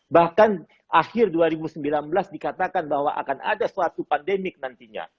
bahkan akhir dua ribu sembilan belas dikatakan bahwa akan ada suatu pandemik nantinya